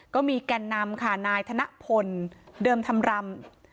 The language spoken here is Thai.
ก็มีแก่นนำค่ะนายธนพลเดิมทำรำ